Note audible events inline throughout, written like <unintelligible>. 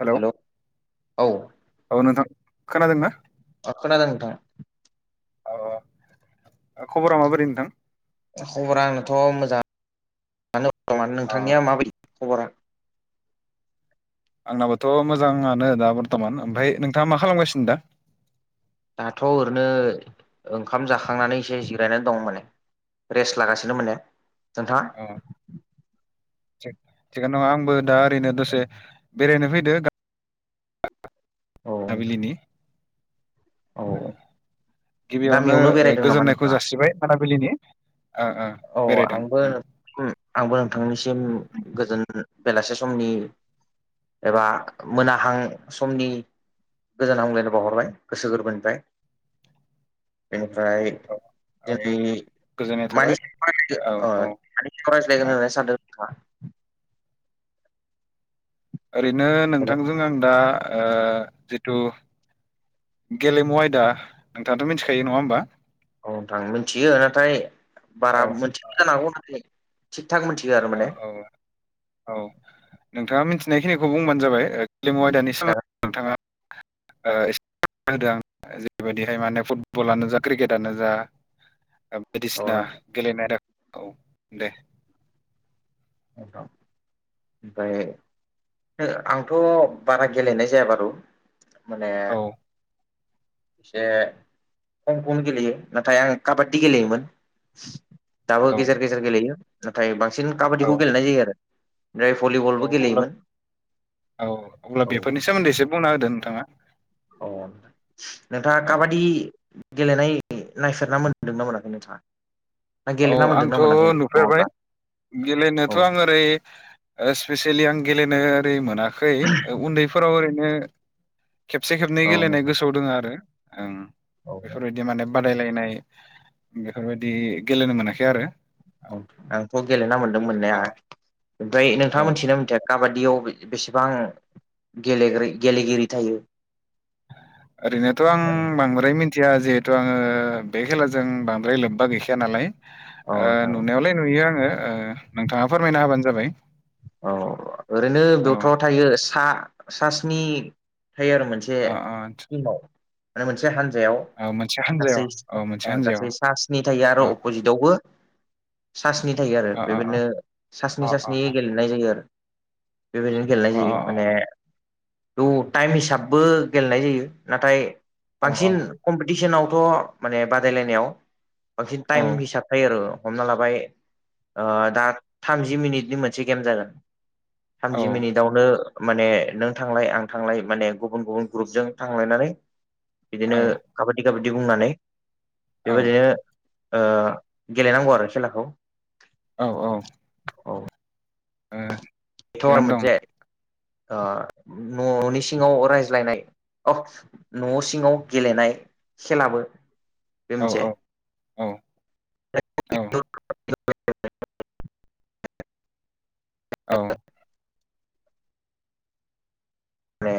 Hello hello औ औ नोंथां खोनादोंना? अ खोनादों नोंथां <unintelligible> खबरा माबोरै नोंथां? खबरा आंनाथ' मोजां <unintelligible> अ नोंथांनिया माबायदि खबरा आंनाबोथ' मोजाङानो दा बर्थमान ओमफाय नोंथाङा मा खालामगासिनो दा दाथ' ओरैनो ओंखाम जाखांनानै एसे जिरायनानै दं माने रेस्ट लागासिनो मोने नोंथाङा <unintelligible> थिगानो <unintelligible> आंबो दा ओरैनो दसे बेरायनो फैदो गा औ नाबिलिनि औ गिबियावनो गामियावनो ओ बेरायदों नामा गोजोननायखौ नोंथाङा जासिबाय आदाबिलिनि ओ ओ औ आंबो उम आंबो नोंथांनिसिम गोजोन बेलासे समनि एबा मोनाहां समनि गोजान हामग्लायनो बावहरबाय गोसो गोरबोनिफ्राय बेनिफ्राय औ औ दिनै गोजोननाय थाबाय मानि औ <unintelligible> अ औ मानि सायाव औ रायज्लायगोन होननानै सानदों नोंथाङा ओरैनो हेल' नोंथांजों आं दा ओ जिथु गेलेमु आयदा नोंथाङाथ' मिथिखायो नङा होमबा औ नोंथां मिनथियो नाथाय बारा औ मोनथि <unintelligible> जागौ नाथाय थिग थाक मोनथि औ औ औ नोंथाङा मिथिनायखिनिखौ बुंबानो जाबाय ग्लेमु आयदानि सोमो ओ एसे फोरमायना होदों आं जेरैबायदिहाय माने फुटबलानो जा क्रिकेटानो जा औ बायदिसिना नोंथां गेलेनाय आयदाखौ दे औ फ्राय <unintelligible> आंथ' बारा गेलेनाय बारु माने औ इसे खम खम गेलेयो नाथाय आं काबादि गेलेयोमोन दाबो औ गेजेर गेजेर गेलेयो नाथाय बांसिन औ काबादिखौ गेलेनाय जायो आरो ओमफ्राय औ भलिबलबो अब्ला गेलेयोमोन औ अब्ला औव बेफोरनि सोमोन्दै एसे बुंना होदो नोंथांङा अ नोंथांङा औ काबादि गेलेनाय नायफेरना मोन्दोंना मोनाखै नोंथांङा? औ आंथ' नुफेरबाय। औ गेलेनोथ' आं ओरैय ओ स्पेसियेलि आं गेलेनो ओरै मोनाखै ओ उन्दैफोराव ओरैनो खेबसे खेबनै औ गेलेनाय गोसोआव दंङ आरो। ओं औ बेफोरबायदि बिदि माने बादायलायनाय बेफोरबायदि गेलेनो मोनाखै आरो आंथ' गेलेना मोनदों मोननाया औ ओमफ्राय नोंथांङा औ मिथिना मिथिया काबादियाव बे बेसेबां गेलगिरि गेलेगिरि थायो? ओरैनोथ' आं बांद्राय मिथिया जथिया जिहेथु आंङो बे खेलाजों बांद्राय लोब्बा गैखाया नालाय औ नोंथां नुनायावलाय नुयो आंङो ओ नोंथांङा फोरमायना होबानो जाबाय। औ औ ओरैनोथ थायो सा स्नि थायो आरो मोनसे अ आदसा मोनसे टिमाव माने मोनसे हानजायाव। औ मोनसे हानजायाव औ मोनसे हानजायाव गासैय सा स्नि थायो आरो अ अपजित बेवबो सा स्नि थायो आरो अ अ अ बेबायदिनो सास्नि अ सास्नि अ गेलेनाय जायो आरो बेबायदिनो गेलेनाय अ जायो माने टाइम हिसाबबो गेलेनाय जायो नाथाय अ औ बांसिन कम्पिटिसनावथ' माने बादायलायनायाव बांसिन औ टाइम हिसाब थायो आरो हमना लाबाय ओ दा थामजि मिनिटनि मोनसे गेम जागोन। औ थामजि मिनिटावनो माने नों थांलाय आं थांला--य माने गुबुन गुबुन ग्रुपजों थांलायनानै बिदिनो काबादि काबादि बुंनानै औ बेबायदिनो ओ गेलेनांगौ आरो खेलाखौ। औव औव। औ ओ बेथ' आरो थिगानो दं मोनसे ओ न'नि सिंङाव रायज्लायनाय अ न' सिंङाव गेलेनाय खेलाबो बे औ मोनसे। औ औ औ <unintelligible> औव माने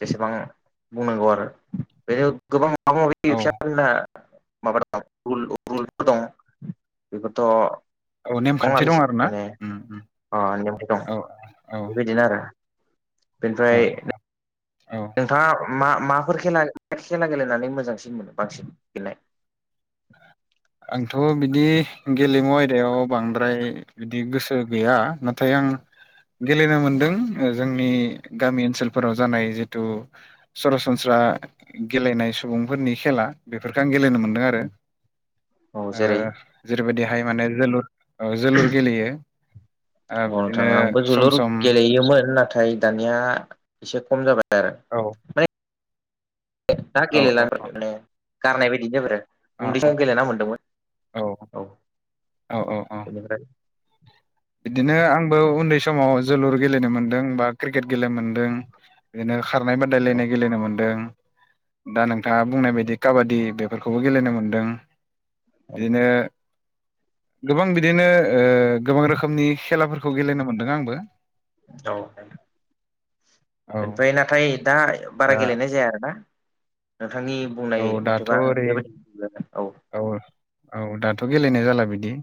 जेसेबां बुंनांगौ आरो बे गोबां माबा माबि औ <unintelligible> होनना माबा दं रुल रु गतः गलफोर दं बेफोरथ' औ दंङ नेमखान्थि दं आरोखि आरो ना माने उम उम अ <unintelligible> दं औ बेबायदिनो आरो। बेनिफ्राय औ‌व नोंथांङा मा माफोर खेला खेला गेलेनानै मोजांसिन मोनो बांसिन गेलनाय। आंथ' बिदि गेलेमु आयदायाव बांद्राय बिदि गोसो गैया नाथाय आं गेलेनो मोनदों जों जोंनि गामि जानाय ओनसोलफोराव जानाय जेहेथु सरासनस्रा गेलेनाय सुबुंफोरनि खेला बेफोरखो आं गेलेनो मोनदों आरो। औ ओ जेरै जेरैबायदिहाय माने जोलुर ओ जोलुर गेलेयो। ओ औ नोंथां बिदिनो आंबो सम जोलुर सम गेलेयोमोन नाथाय दानिया एसे खम जाबाय आरो। औव दा गेलेला औ औ गारनाय बायदि जाबाय। औ उन्दै समाव गेलेना मोनदोंमोन। औ औ औ औ <unintelligible> बिदिनो आंबो उन्दै समाव जोलुर गेलेनो मोनदों बा क्रिकेट गेलेनो मोन्दों। बिदिनो खारनाय औ बादायलायनाय गेलेनो मोनदों दा नों थाङा बुंनाय बायदि काबादि बेफोरखौबो गेलेनो मोनदों। बिदिनो गोबां बिदिनो ओ गोबां रोखोमनि खेलाफोरखौ गेलेनो मोनदों आंबो। औ औ ओमफाय नाथाय दा बारा दा गेलेनाय जाया आरोना नोंथांनि औ बुंनाय दाथ' मथेबा ओरै बेबायदि बुंनागोन। औ औ औ दाथ' गेलेनाय जाला बिदि।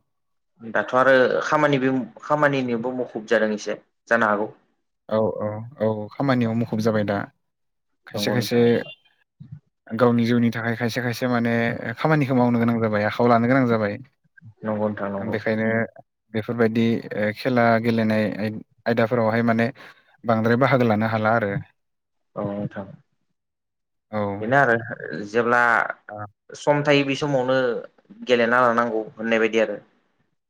दाथ' आरो खामानिबो खामानिनिबो मुखुब जादों एसे जानो हागौ। औ औ औ खामानियाव मुखुब जाबाय दा खायसे नंगौ खायसे नोंथां गावनि जिउनि थाखाय खायसे खायसे माने खामानिखौ मावनो गोनां जाबाय आखायाव लानो गोनां जाबाय। नंगौ नोंथां आं नंगौ बेखायनो बेफोरबायदि ओ खेला गेलेनाय आय-आयदाफोरावहाय माने बांद्राय बाहागो लानो हाला आरो। औ नोंथां बेनो आरो जेब्ला अ सम थायो बे समावनो गेलेना लानांगौ होननाय बायदि आरो।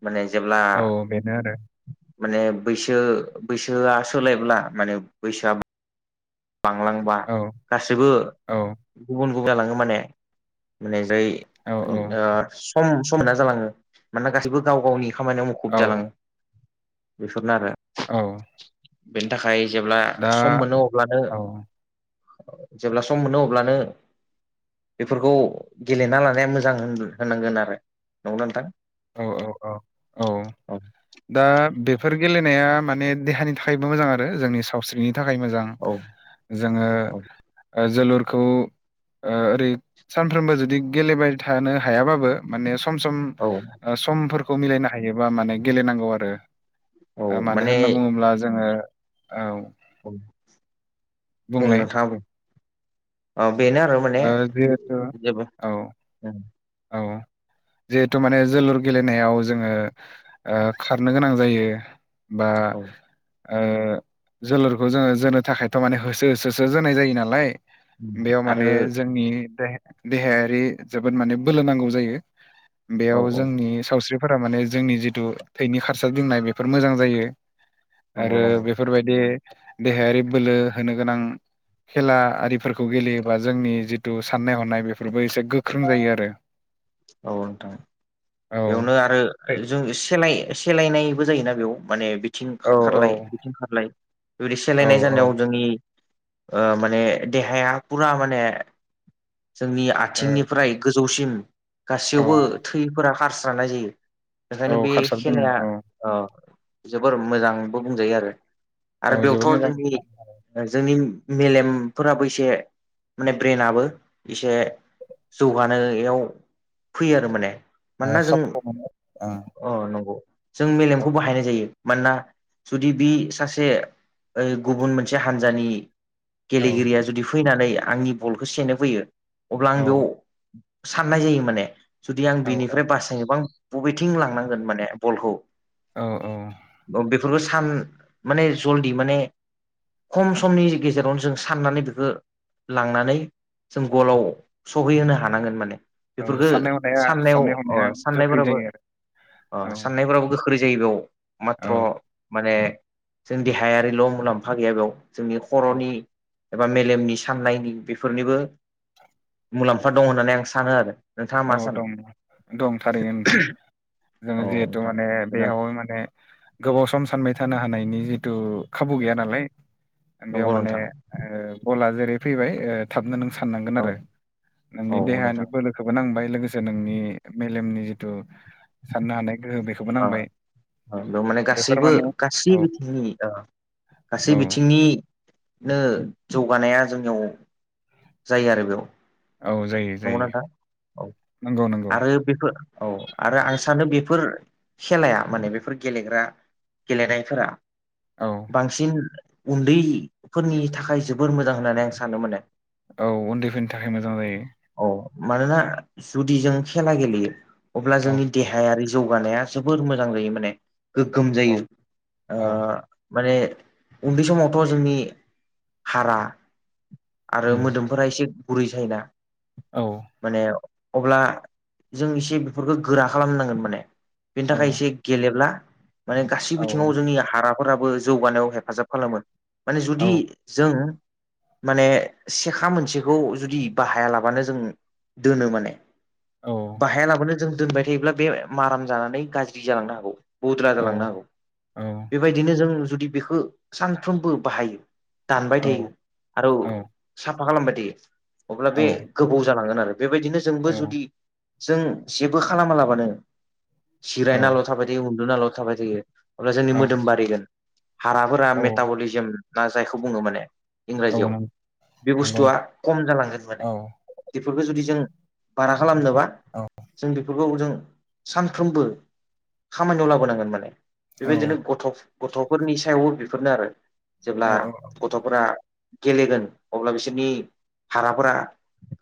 माने जेब्ला औ बेनो आरो माने बैसो बैसोआ सोलायब्ला माने बैसोआ बांलांबा औ गासैबो औ गुबुन गुबुन जालाङो माने माने जाय औ ओ सम सम मोनना जालाङो मानोना गासिबो गाव गावनि खामानियाव मु औ खुब जालाङो बेफोरनो आरो औ बेनि थाखाय जेब्ला दा सम मोनो अब्लानो औ जेब्ला सम मोनो अब्लानो बेफोरखौ गेलेना लानाया मोजां होन-होननांगोन आरो नंगौ ना नोंथां? औ औ औ औ दा बेफोर गेलेनाया माने देहानि थाखायबो मोजां आरो जोंनि सावस्रिनि थाखाय मोजां, औ जोङो औ ओ जोलुरखौ ओरै सानफ्रोमबो जुदि गेलेबाय थानो हायाबाबो माने सम सम औ ओ समफोरखौ मिलायनो हायोबा माने गेलेनांगौ आरो। औ ओ मानो माने होनना बुङोब्ला जोङो औ बुं बुंलाय नोंथां, औ बेनो आरो माने ओ जिहेथु जेबो औ औ जिहेथु माने जोलुर गेलेनायाव जोङो ओ खारनो गोनां जायो। बा औ ओ जोलुरखौ जोङो जोनो थाखायथ' माने होसो होसोसो जोनाय जायो नालाय। उम बेयाव माने आरो जोंनि दे-देहायारि जोबोद माने बोलो नांगौ जायो, औ बेयाव औ जोंनि सावस्रि फोरा माने जोंनि जिथु थैनि खारसार दिंनाय बेफोर मोजां जायो। आरो नंगौ बे नंगौ बेफोरबायदि देहायारि बोलो होनो गोनां खेला आरिफोरखौ गेलेयोबा जोंनि जिथु साननाय हनाय बेफोरबो एसे गोख्रों जायो आरो। औ नोंथां औ बेयावनो आरो जों सेलाय सेलायनायबो जायोना बेयाव माने बिथिं औ खारलाय बिथिं खारलाय बेबायदि औ सोलायनाय जानायाव जोंनि ओ माने देहाया पुरा माने जोंनि औ आथिंनिफ्राय गोजौसिम औ गासैयावबो थैफोरा खारस्रानाय जायो, ओंखायनो औ बे खारसार दोङो खेलाया औ अ जोबोर मोजांबो बुंजायो आरो। आरो औ जोबोद बेयावथ' मोजां जोंनि जोंनि मेलेमफोराबो एसे माने ब्रेनाबो एसे जौगानायाव फैयो आरो माने, ओ मानोना जों खाबु अ नंगौ जों औ मेलेमखौ बाहायनाय जायो। मानोना जुदि बि सासे ओ गुबुन मोनसे हानजानि औ गेलेगिरिया जुदि फैनानै आंनि बलखौ सेनो फैयो अब्ला औ आं बेयाव साननाय जायो माने जुदि आं औ बिनिफ्राय बासायनोबा बबेथिं लांनांगोन माने बलखौ औ औ अ बेफोरखौ सान माने जलदि माने खम समनि गेजेरावनो जों साननानै बेखौ लांनानै जों गलाव सहैहोनो हानांगोन माने औ बेफोरफोरखौ साननाय हनाया साननायाव साननाय हनाया अ गोख्रै साननायफोराबो जायो अ आरो साननायफोराबो गो ख्रै जायो बेयाव औ माथ्र' माने जों देहायारिल' मुलाम्फा गैया बेयाव जोंनि औ खर'नि एबा मेलेमनि सान्नायनि बेफोरनिबो मुलाम्फा दं होननानै आं सानो आरो नोंथाङा मा औ सानो दं, दं थारैनो नोंथां जोंङो औ जिहेतु नोंथां माने बेयाव माने गोबाव सम सानबाय थानो हानायनि जिथु खाबु गैया नालाय बेयाव नंगौ माने नोंथां बलआ जेरै फैबाय थाबनो नों साननांगोन औ आरो नोंनि औ देहानि नोंथां बोलो खौबो नांबाय लोगोसे नोंनि मेलेमनि जिथु साननो हानाय गोहो बेखौबो ओ नांबाय बेयाव माने बेफोर गासैबो माने गासै औ बिथिंनि ओ गासै औ बिथिंनि। नो जौगानाया जोंनियाव जायो आरो बेयाव। औ जायो। नंगौना जायो नोंथां नंगौ नंगौ आरो बेफोर औ आरो आं सानो बेफोर खेलाया माने बेफोर गेलेग्रा। गेलेनाय फोरा। औ बांसिन उन्दैफोरनि थाखाय जोबोर मोजां होननानै आं सानो माने। औ उन्दैफोरनि थाखाय मोजां जाय़ो। औ मानोना जुदि जों खेला गेलेयो अब्ला औ जोंनि। देहायारि जौगानाया जोबोर मोजां जायो माने गोग्गोम औ जायो। ओ औ माने उन्दै समावथ' जोंनि हारा। आरो उम मोदोमफोरा एसे गुरै जायो ना। औ माने अब्ला जों इसे बेफोरखौ गोरा खालामनांगोन माने बेनि औ थाखाय एसे। गेलेब्ला माने गासै औ बिथिङाव जोंनि हाराफोराबो जौगानायाव हेफाजाब खालामो। माने औ जुदि जों। माने सेखा मोनसेखौ जुदि बाहायालाबानो जों दोनो माने। औ बाहाया लाबानो जों दोनबाय थायोब्ला बे माराम जानानै गाज्रि जालांनो हागौ। बुद्रा औ जालांनो हागौ औ बेबायदिनो जों जुदि बेखौ सानफ्रोमबो बाहायो। दानबाय थायो। औ साफा खालामबायदि अब्ला औ बे गोबाव जालांगोन आरो बेबायदिनो जोंबो जुदि जों जेबो खालामालाबानो जिरायनाल' थाबायदि उन्दुनाल' थाबाय थायो अब्ला जोंनि मोदोम बारिगोन हाराफोरा औ मेटाबलिजम ना जायखौ बुो माने। इंराजियाव औ बे नंगौ नंगौ बुस्थुआ खम जालांगोन माने औ बेफोरखौ जुदि जों बारा खालामनोबा औ जों बेफोरखौ जों सानफ्रोमबो खामानियाव लाबोनांगोन माने औ बेबायदिनो गथ' गथ'फोरनि सायावबो बेफोरनो आरो औ जेब्ला गथफोरा गेलेगोन अब्ला बिसोरनि हाराफोरा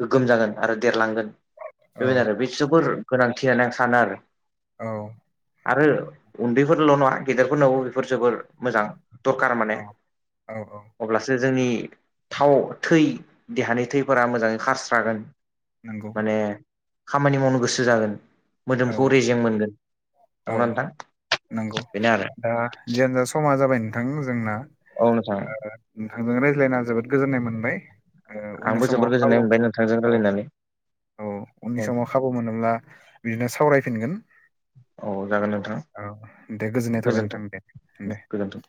गोग्गोम जागोन आरो देरलांगोन। बेबायदिनो आरो बि जुरफोर गोनांथि होननानै आं सानो आरो। औ आरो उन्दैफोरल' नङा गेदेरफोरनावबो बेफोर जोबोर मोजां। दखार माने औ औ अब्लास जोंनि थाव थै देहानि थैफोरा मोजाङै खारस्रागोन। नंगौ माने खामानि मावनो गोसो जागोन औ मोदोमखौ रेजें मोनगोन। औ नंगौना नोंथां नंगौ बेनो आरो दा जियानोजा समा जाबाय नोंथां जोंना। औ नोंथां। नोंथांजों रायज्लायना जोबोद गोजोननाय मोनबाय। ओ उननि आंबो समाव जोबोर खाबु गोजोननाय मोनबाय नोंथांजों औ रायज्लायनानै। औ उननि समाव खाबु मोनोब्ला बिदिनो सावरायफिनगोन। औ जागोन नोंथाङा औ दे गोजोननाय थाबाय नोंथां गोजोनथों दे दे गोजोनथों।